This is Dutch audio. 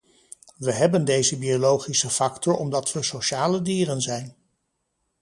We hebben deze biologische factor omdat we sociale dieren zijn.